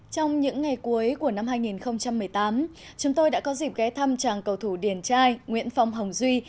trong những ngày cuối của năm hai nghìn một mươi tám chúng tôi đã có dịp ghé thăm chàng cầu thủ điền trai nguyễn phong hồng duy